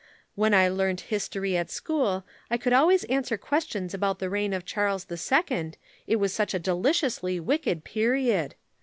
When I learnt history at school I could always answer questions about the reign of Charles II., it was such a deliciously wicked period.